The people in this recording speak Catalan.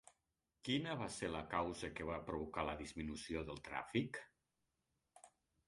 Quina va ser la causa que va provocar la disminució del tràfic?